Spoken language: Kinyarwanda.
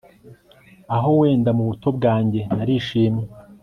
aho wendamu buto bwange narishimye